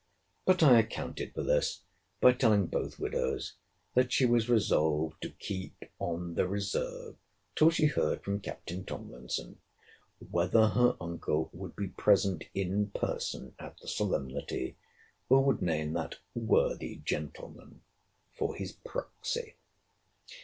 —But I accounted for this, by telling both widows that she was resolved to keep on the reserve till she heard from Captain Tomlinson, whether her uncle would be present in person at the solemnity, or would name that worthy gentleman for his proxy.